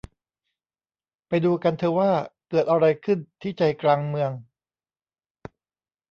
ไปดูกันเถอะว่าเกิดอะไรขึ้นที่ใจกลางเมือง